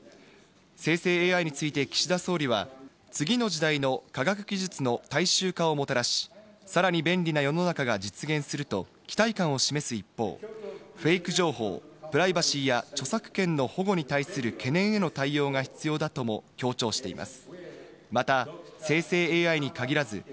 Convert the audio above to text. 生成ＡＩについて岸田総理は次の時代の科学技術の大衆化をもたらし、さらに便利な世の中が実現すると期待感を示す一方、フェイク情報、プライバシーや著作権の保護に対する懸念への対応が必要だとも強調しています。